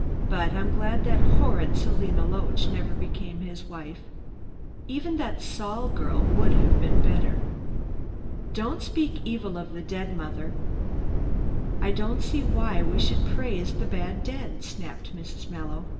But I'm glad that horrid Selina Loach never became his wife. Even that Saul girl would have been better." "Don't speak evil of the dead, mother." "I don't see why we should praise the bad dead," snapped Mrs. Mallow.